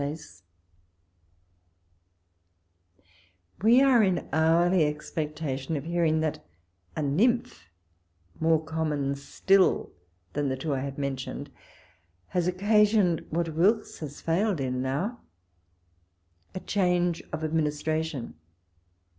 We are in hourly expectation of hearing that a nymph, more common still than tho two I have mentioned, has occasioned what Wilkes has failed in now, a change of administration.